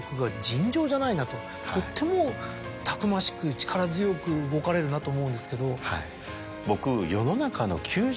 とってもたくましく力強く動かれるなと思うんですけど。